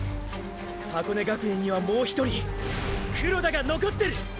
箱根学園にはもう一人黒田が残ってる！！